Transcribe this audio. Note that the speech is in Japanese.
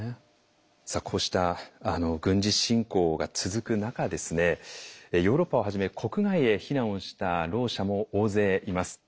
さあこうした軍事侵攻が続く中ヨーロッパをはじめ国外へ避難をしたろう者も大勢います。